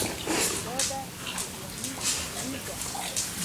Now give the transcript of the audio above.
دا ده باراني ورېځه!